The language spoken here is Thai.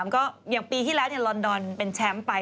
ก็อย่างปีที่แล้วลอนดอนเป็นแชมป์ไป